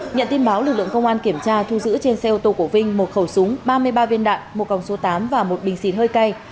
nhận tin báo lực lượng công an kiểm tra thu giữ trên xe ô tô của vinh một khẩu súng ba mươi ba viên đạn một còng số tám và một bình xịt hơi cay